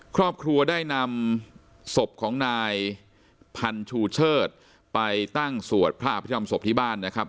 ครอบครัวได้นำศพของนายพันชูเชิดไปตั้งสวดพระอภิษฐรรมศพที่บ้านนะครับ